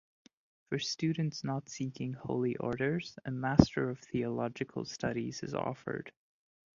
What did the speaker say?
For students not seeking Holy Orders, a Master of Theological Studies is offered.